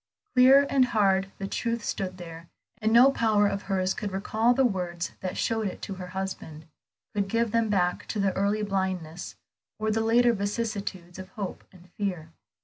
Clear and hard the truth stood there, and no power of hers could recall the words that showed it to her husband, could give them back the early blindness, or the later vicissitudes of hope and fear.